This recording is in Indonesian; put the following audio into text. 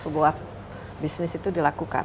sebuah bisnis itu dilakukan